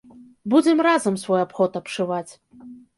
Будзем разам свой абход абшываць.